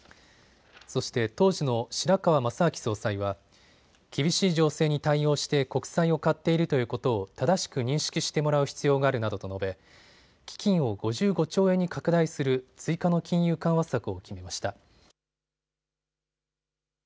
そして当時の白川方明総裁は厳しい情勢に対応して国債を買っているということを正しく認識してもらう必要があるなどと述べ基金を５５兆円に拡大する追加の金融緩和策を決めました。